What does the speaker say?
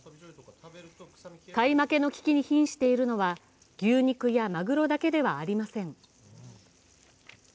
買い負けの危機に瀕しているのは牛肉やまぐろだけではありません。